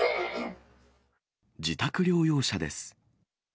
自宅療養者です。